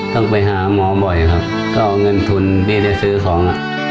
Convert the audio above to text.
ต้องไปหาหมอบ่อยครับก็เอาเงินทุนที่ได้ซื้อของ